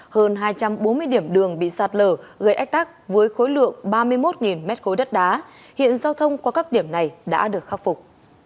hơn hai trăm bốn mươi điểm đường bị sạt lở gây ách tắc với khối lượng ba mươi một m ba đất đá hiện giao thông qua các điểm này đã được khắc phục